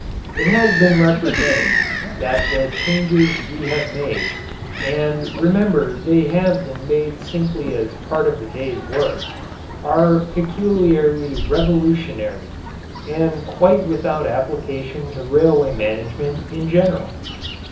It has been represented that the changes we have made and remember they have been made simply as part of the day's work are peculiarly revolutionary and quite without application to railway management in general.